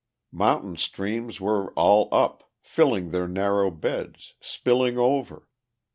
Mountain streams were all up, filling their narrow beds, spilling over.